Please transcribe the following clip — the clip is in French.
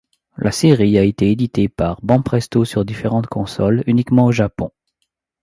La série a été édité par Banpresto sur différentes consoles, uniquement au Japon.